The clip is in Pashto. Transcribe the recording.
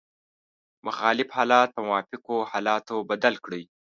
مخالف حالات په موافقو حالاتو بدل کړئ.